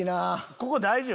ここ大事よ。